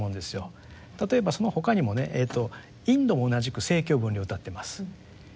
例えばその他にもねインドも同じく政教分離を謳っています。